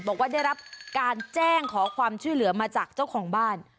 บอกว่าได้รับการแจ้งขอความช่วยเหลือมาจากเจ้าของบ้าน